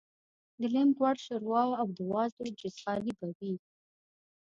د لېم غوړ شوروا او د وازدو جیزغالي به وې.